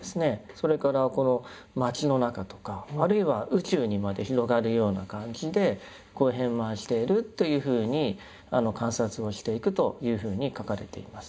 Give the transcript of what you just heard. それから町の中とかあるいは宇宙にまで広がるような感じで遍満しているというふうに観察をしていくというふうに書かれています。